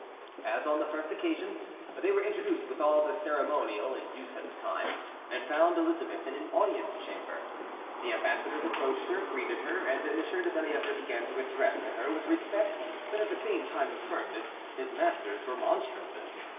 As on the first occasion, they were introduced with all the ceremonial in use at that time, and found Elizabeth in an audience chamber. The ambassadors approached her, greeted her, and M. de Bellievre began to address to her with respect, but at the same time with firmness, his master's remonstrances.